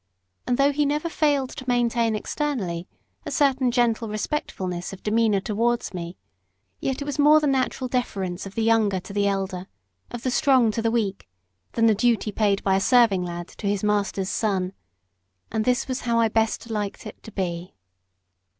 And though he never failed to maintain externally a certain gentle respectfulness of demeanour towards me, yet it was more the natural deference of the younger to the elder, of the strong to the weak, than the duty paid by a serving lad to his master's son. And this was how I best liked it to be.